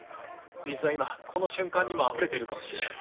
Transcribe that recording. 水は今この瞬間にもあふれているかもしれない。